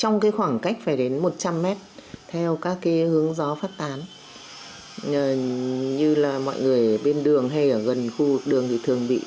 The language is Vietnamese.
như là mọi người bên đường hay ở gần khu đường bị thường bị